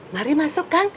mari masuk kang